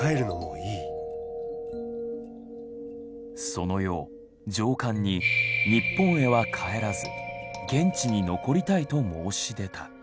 その夜上官に日本へは帰らず現地に残りたいと申し出た。